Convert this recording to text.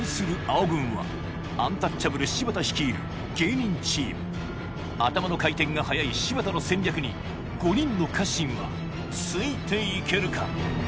青軍はアンタッチャブル・柴田率いる芸人チーム頭の回転が速い柴田の戦略に５人の家臣はついて行けるか？